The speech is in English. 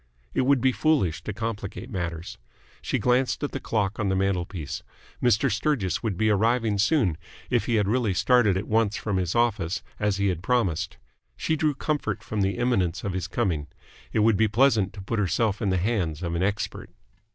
It would be foolish to complicate matters. She glanced at the clock on the mantelpiece. Mr. Sturgis would be arriving soon, if he had really started at once from his office, as he had promised. She drew comfort from the imminence of his coming. It would be pleasant to put herself in the hands of an expert.